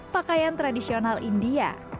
pakai yang tradisional india